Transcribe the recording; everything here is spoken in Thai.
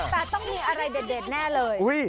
แต่ต้องมีอะไรเด็ดแน่เลย